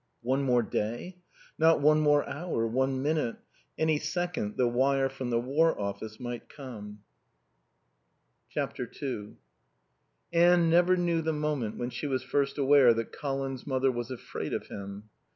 One more day? Not one more hour, one minute. Any second the wire from the War Office might come. ii Anne never knew the moment when she was first aware that Colin's mother was afraid of him.